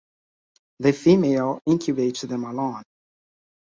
The female incubates them alone.